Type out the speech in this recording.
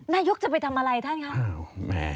นายกจะไปทำอะไรท่านคะ